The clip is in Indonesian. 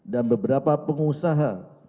dan beberapa pengusaha